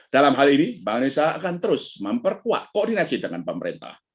dalam hal ini bank indonesia akan terus memperkuat koordinasi dengan pemerintah